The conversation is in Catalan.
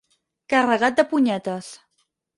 Carregat de punyetes.